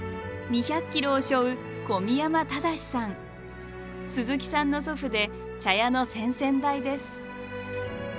２００ｋｇを背負う鈴木さんの祖父で茶屋の先々代です。